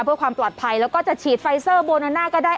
เพื่อความปลอดภัยแล้วก็จะฉีดไฟเซอร์โบนาน่าก็ได้